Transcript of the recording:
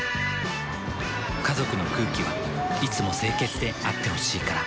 家族の空気はいつも清潔であってほしいから。